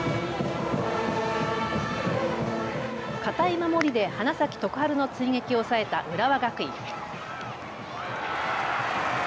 堅い守りで花咲徳栄の追撃を抑えた浦和学院。